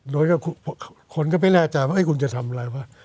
โดยคนก็ไม่แน่ใจว่าคุณจะทำอะไรวะ